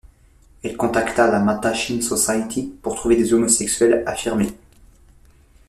Elle contacta la Mattachine Society pour trouver des homosexuels affirmés.